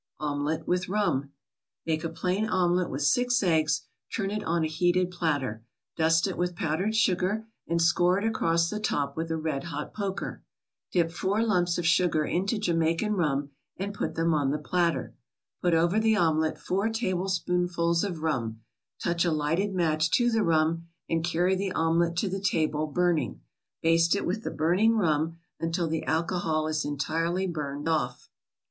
OMELET WITH RUM Make a plain omelet with six eggs, turn it on a heated platter. Dust it with powdered sugar, and score it across the top with a red hot poker. Dip four lumps of sugar into Jamaica rum and put them on the platter. Put over the omelet four tablespoonfuls of rum; touch a lighted match to the rum, and carry the omelet to the table, burning. Baste it with the burning rum until the alcohol is entirely burned off.